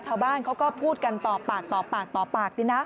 ชาวบ้านเขาก็พูดกันต่อปากต่อปาก